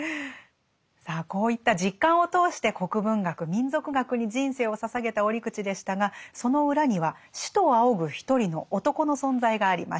さあこういった実感を通して国文学民俗学に人生を捧げた折口でしたがその裏には師と仰ぐ一人の男の存在がありました。